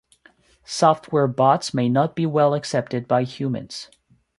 Software bots may not be well accepted by humans.